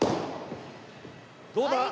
どうだ？